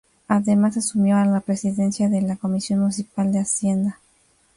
Además asumió la Presidencia de la Comisión Municipal de Hacienda.